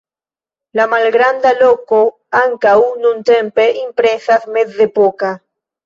La malgranda loko ankaŭ nuntempe impresas mezepoka.